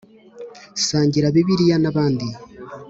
sangira bibliya na bandi